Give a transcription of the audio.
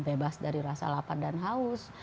bebas dari rasa lapar dan haus